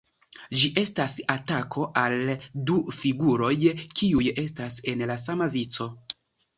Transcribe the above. Ĝi estas atako al du figuroj, kiuj estas en la sama vico.